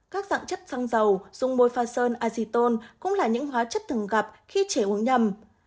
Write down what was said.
các dạng chất xăng dầu dung môi pha sơn acitol cũng là những hóa chất thường gặp khi trẻ uống nhầm